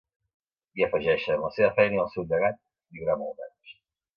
I afegeixen: La seva feina i el seu llegat viurà molts anys.